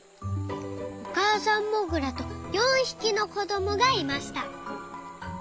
おかあさんモグラと４ひきのこどもがいました。